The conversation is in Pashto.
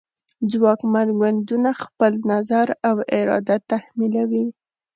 ځواکمن ګوندونه خپل نظر او اراده تحمیلوي